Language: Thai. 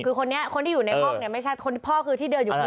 คือคนที่อยู่ในห้องนี้ไม่ชัดพ่อคือที่เดินอยู่ข้างนอก